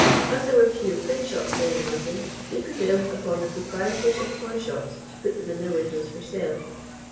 As there were few print shops then in London, he prevailed upon the proprietors of toy shops to put them in their windows for sale.